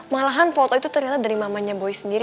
malahan foto itu ternyata dari mamanya boy sendiri